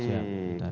siap yang mulia